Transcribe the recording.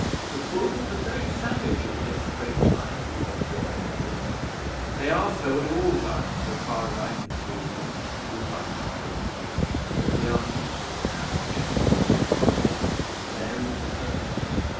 "The bulls are very savage at this spring time," observed Edward. "They are so at all times, as far as I can see of them," replied Humphrey; "but we are near to them now, I should think yes, there is the herd."